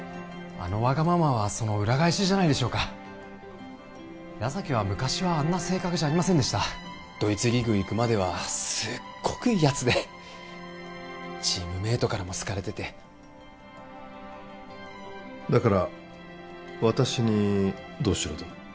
あのわがままはその裏返しじゃないでしょうか矢崎は昔はあんな性格じゃありませんでしたドイツリーグ行くまではすっごくいいやつでチームメイトからも好かれててだから私にどうしろと？